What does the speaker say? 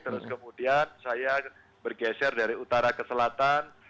terus kemudian saya bergeser dari utara ke selatan